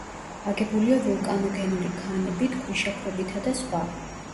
აგებულია ვულკანოგენური ქანებით, ქვიშაქვებითა და სხვა.